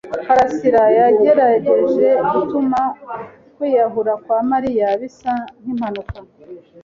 Karasirayagerageje gutuma kwiyahura kwa Mariya bisa nkimpanuka.